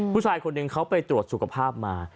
ผู้ชายคนหนึ่งเขาไปตรวจสุขภาพมา